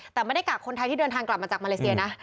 แต่ไม่ได้กักคนไทยที่เดินทางกลับมาจากมาเลเซียนะ